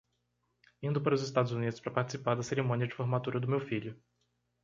Indo para os Estados Unidos para participar da cerimônia de formatura do meu filho